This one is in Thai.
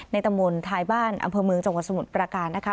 ตำบลทายบ้านอำเภอเมืองจังหวัดสมุทรประการนะคะ